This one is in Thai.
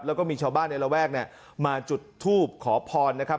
แล้วก็มีชาวบ้านในระแวกเนี่ยมาจุดทูบขอพรนะครับ